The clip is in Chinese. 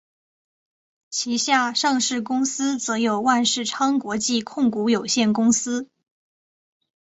旗下上市公司则有万事昌国际控股有限公司。